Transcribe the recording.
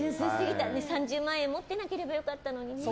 ３０万円持ってなければよかったのにね。